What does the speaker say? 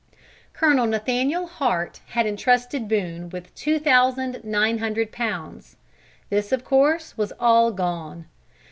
Colonel Nathaniel Hart had entrusted Boone with two thousand nine hundred pounds. This of course was all gone.